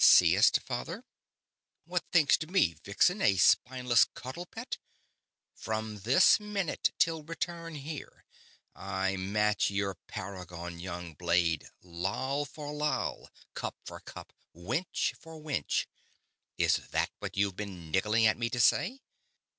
"Seest, father?" "What thinkst me, vixen, a spineless cuddlepet? From this minute 'til return here I match your paragon youngblade loll for loll, cup for cup, wench for wench. Is it what you've been niggling at me to say?"